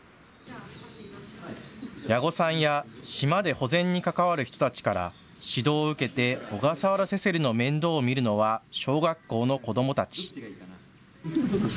矢後さんや島で保全に関わる人たちから指導を受けてオガサワラセセリの面倒を見るのは小学校の子どもたち。